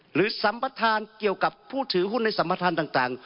สัมประธานเกี่ยวกับผู้ถือหุ้นในสัมประธานต่าง